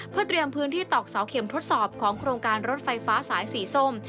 เพื่อเตรียมพื้นที่ตอกเสาเข็มทดสอบของโครงการรถไฟฟ้าสายสีส้ม